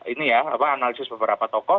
ini ya analisis beberapa tokoh